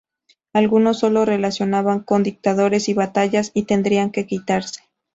Algunos sólo se relacionaban con dictadores y batallas, y tendrían que quitarse.